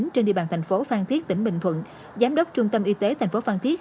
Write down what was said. trên địa bàn thành phố phan thiết tỉnh bình thuận giám đốc trung tâm y tế thành phố phan thiết